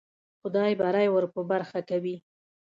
خدای بری ور په برخه کوي.